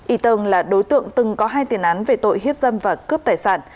y tân là đối tượng từng có hai tiền án về tội hiếp dâm và cướp tài sản